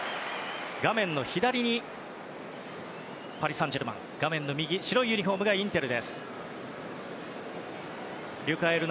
画面左にパリ・サンジェルマン画面右、白いユニホームがインテル。